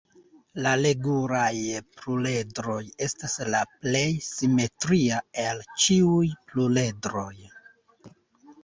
La regulaj pluredroj estas la plej simetria el ĉiuj pluredroj.